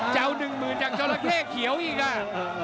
จะเอาหนึ่งหมื่นจากจราเข้เขียวอีกอ่ะ